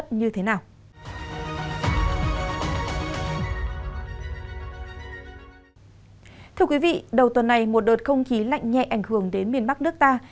thưa quý vị đầu tuần này một đợt không khí lạnh nhẹ ảnh hưởng đến miền bắc nước ta